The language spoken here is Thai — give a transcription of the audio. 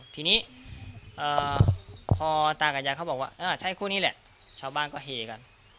ทีนี้พอตากับยายเขาบอกว่าใช่คู่นี้แหละชาวบ้านก็เฮกัน